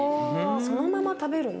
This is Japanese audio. そのまま食べるの？